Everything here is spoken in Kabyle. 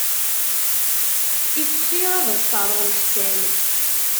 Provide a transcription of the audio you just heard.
Iff xir ad as-terreḍ leḥsan.